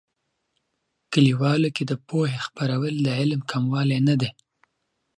کلیوالو کې د پوهې خپرول، د علم کموالی نه دي.